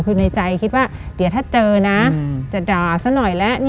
คือในใจคิดว่าเดี๋ยวถ้าเจอนะจะด่าซะหน่อยแล้ว